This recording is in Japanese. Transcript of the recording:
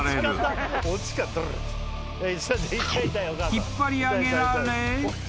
［引っ張り上げられ］